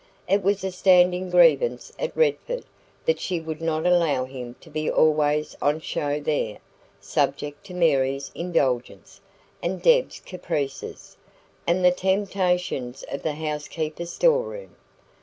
It was a standing grievance at Redford that she would not allow him to be always on show there, subject to Mary's indulgence, and Deb's caprices, and the temptations of the housekeeper's store room.